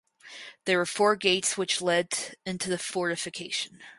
There were four gates which led into the fortification.